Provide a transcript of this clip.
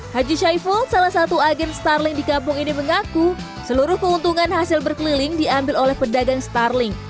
haji syaiful salah satu agen starling di kampung ini mengaku seluruh keuntungan hasil berkeliling diambil oleh pedagang starling